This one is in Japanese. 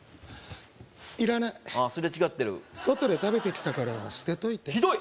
いらないああすれ違ってる外で食べてきたから捨てといてひどい！